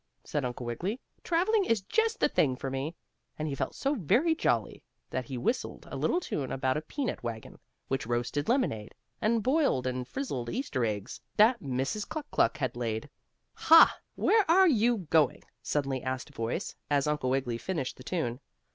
said Uncle Wiggily. "Traveling is just the thing for me," and he felt so very jolly that he whistled a little tune about a peanut wagon, which roasted lemonade, and boiled and frizzled Easter eggs that Mrs. Cluk Cluk laid. "Ha! Where are you going?" suddenly asked a voice, as Uncle Wiggily finished the tune.